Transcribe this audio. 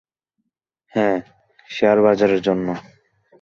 হ্যাঁ, শেয়ারবাজারের জন্য।